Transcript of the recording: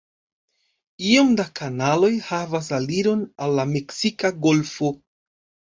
Iom da kanaloj havas aliron al la Meksika golfo.